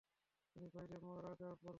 তুমি বাইরে মারা পরবে!